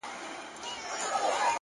• د زړه په تل کي یادولای مي سې ,